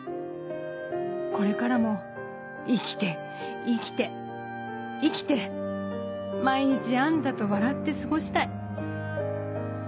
これからも生きて生きて生きて毎日あんたと笑って過ごしたい」。